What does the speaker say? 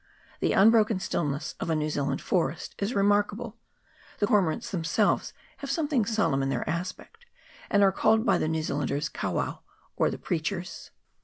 The un broken stillness of a New Zealand forest is remark able : the cormorants themselves have something solemn in their aspect, and are called by the New Zealanders kauwau, or the preachers.